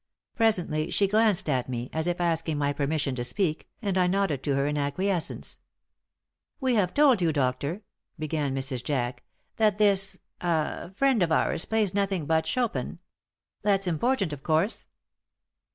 Presently, she glanced at me, as if asking my permission to speak, and I nodded to her in acquiescence. "We have told you, doctor," began Mrs. Jack, "that this ah friend of ours plays nothing but Chopin. That's important, of course?"